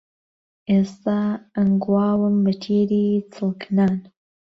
ئێستە ئەنگواوم بەتیری چڵکنان